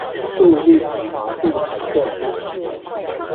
速率與濃度成正比